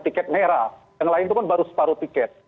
tiket merah yang lain itu kan baru separuh tiket